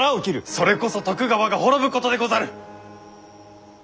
それこそ徳川が滅ぶことでござる！